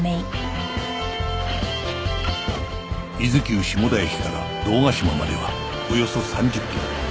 伊豆急下田駅から堂ヶ島まではおよそ３０キロ